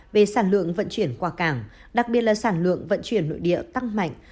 về sản lượng vận chuyển qua cảng đặc biệt là sản lượng vận chuyển nội địa tăng mạnh